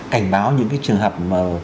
cảnh báo những cái trường hợp